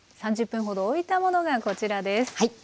３０分ほどおいたものがこちらです。